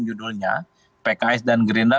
judulnya pks dan gerinda